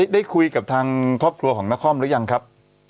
ได้คุยกับทางครอบครัวของนครหรือยังครับ